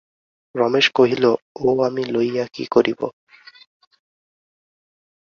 রমেশ কহিল, ও আমি লইয়া কী করিব?